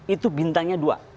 itu bintangnya dua